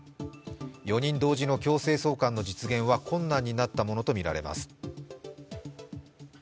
４人同時の強制送還の実現は困難になったものとみられます。